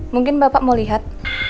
mungkin bapak mau lihat